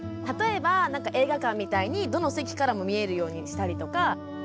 例えば映画館みたいにどの席からも見えるようにしたりとか。